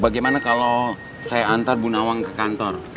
bagaimana kalau saya antar bu nawang ke kantor